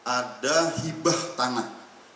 ada hibah tanah